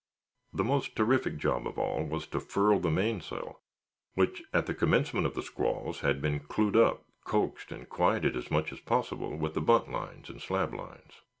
The most terrific job of all was to furl the mainsail, which, at the commencement of the squalls, had been clewed up, coaxed and quieted as much as possible with the bunt lines and slab lines.